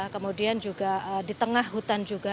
kemudian juga di tengah hutan juga